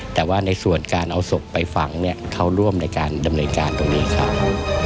แต่ว่าในส่วนการเอาศพไปฝังเนี่ยเขาร่วมในการดำเนินการตรงนี้ครับ